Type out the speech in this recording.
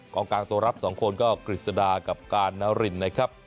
กลางตัวรับ๒คนก็กฤษดากับการนารินนะครับ